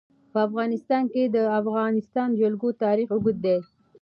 په افغانستان کې د د افغانستان جلکو تاریخ اوږد دی.